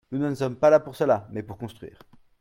Nous ne sommes pas là pour cela, mais pour construire.